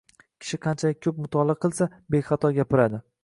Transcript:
Kishi kanchalik ko‘p mutolaa qilsa, bexato gapiradi.